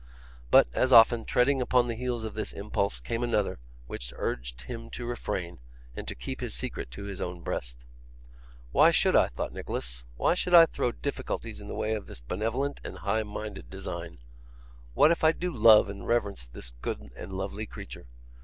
But as often, treading upon the heels of this impulse, came another which urged him to refrain, and to keep his secret to his own breast. 'Why should I,' thought Nicholas, 'why should I throw difficulties in the way of this benevolent and high minded design? What if I do love and reverence this good and lovely creature.